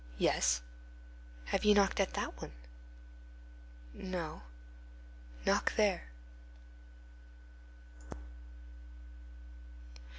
"Yes." "Have you knocked at that one?" "No." "Knock there."